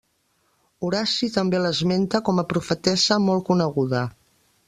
Horaci també l'esmenta com a profetessa molt coneguda.